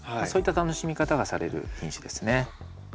そういった楽しみ方がされる品種ですね。